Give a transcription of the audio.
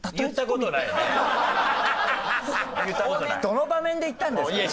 どの場面で言ったんですか？